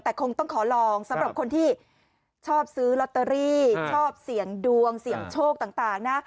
แต่คงต้องขอลองสำหรับคนที่ชอบซื้อชอบเสี่ยงดวงเสี่ยงโชคต่างต่างนะ